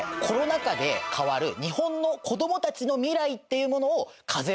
コロナ禍で変わる日本の子どもたちの未来っていうものを風